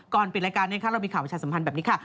ก่อนปิดรายการนี้ค่ะเรามีข่าวประชาสัมพันธ์แบบนี้ค่ะ